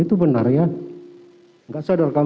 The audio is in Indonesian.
itu benar ya